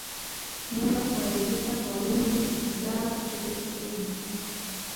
Mimba kuharibika kwa wingi na kuzaa vitoto vikiwa vimekufa